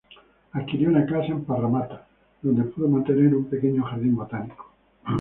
Adquirió una casa en Parramatta donde pudo mantener un pequeño jardín botánico.